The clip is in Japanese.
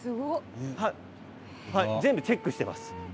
全部チェックしています。